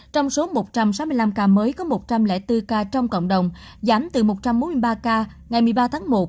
trong số một trăm sáu mươi năm ca mới có một trăm linh bốn ca trong cộng đồng giảm từ một trăm bốn mươi ba ca ngày một mươi ba tháng một